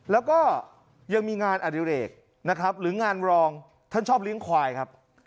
แล้วก็ยังมีงานอดิเรกนะครับหรืองานรองท่านชอบเลี้ยงควายครับ